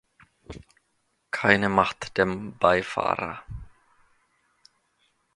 Keine Macht dem Beifahrer.